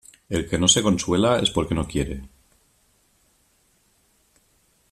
El que no se consuela es por que no quiere.